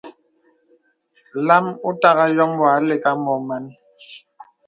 Lām òtagà yôm wà àlə̀k à mɔ màn.